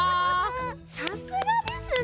さすがですねえ。